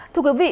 thưa quý vị